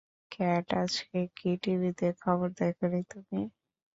Cat, আজকে কি টিভিতে খবর দেখোনি তুমি?